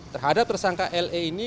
terhadap tersangka le ini